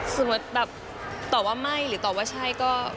สมมุติแบบตอบว่าไม่หรือตอบว่าใช่ก็